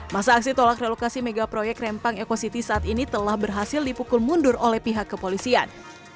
masa aksi tolak relokasi megaproyek rempang eco city saat ini telah berhasil dipukul mundur oleh pihak kepolisian